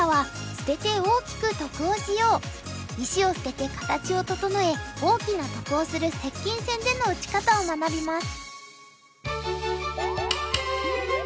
石を捨てて形を整え大きな得をする接近戦での打ち方を学びます。